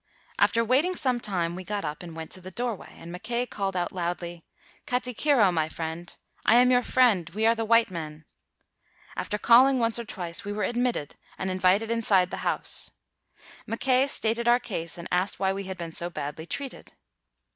After waiting some time, we got up and went to the doorway, and Mackay called out loudly, 'Katikiro, my friend. I 208 THREE BOY HEROES am your friend. We are the white men.' After calling once or twice, we were ad mitted and invited inside the house. Mackay stated our case and asked why we had been so badly treated."